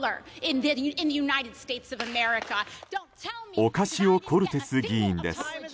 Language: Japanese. オカシオ・コルテス議員です。